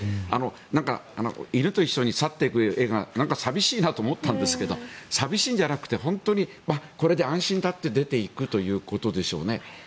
なんか犬と一緒に去っていく絵が寂しいなと思ったんですけど寂しいんじゃなくて本当にこれで安心だと出ていくということでしょうね。